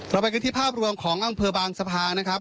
ไปกันที่ภาพรวมของอำเภอบางสะพานนะครับ